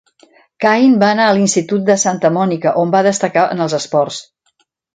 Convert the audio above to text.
Cain va anar a l'institut de Santa Mònica, on va destacar en els esports.